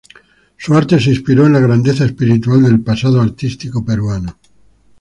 Su arte se inspiró en la grandeza espiritual del pasado artístico peruano.